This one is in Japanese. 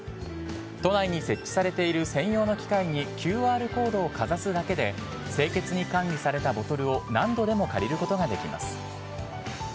都内に設置されている専用の機械に、ＱＲコードをかざすだけで、清潔に管理されたボトルを、何度でも借りることができます。